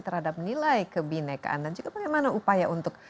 terhadap nilai kebinekaan dan juga bagaimana upaya untuk